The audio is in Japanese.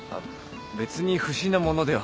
別に不審な者では。